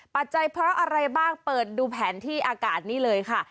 ปัจจัยเพราะอะไรบ้างเปิดดูแผนที่อากาศนี่เลยค่ะ